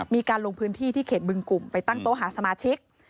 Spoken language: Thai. มีการลงพื้นที่ที่เขตบึงกลุ่มไปตั้งโต๊ะหาสมาชิก